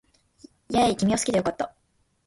イェーイ君を好きで良かった